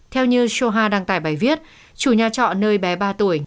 theo như soha đăng tải bài viết chủ nhà trọ nơi bé ba tuổi